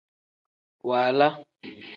Waala.